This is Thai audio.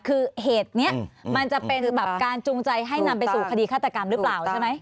คือเหตุนี้มันจะเป็นแบบการจูงใจให้นำไปสู่คดีฆาตกรรมหรือเปล่าใช่ไหม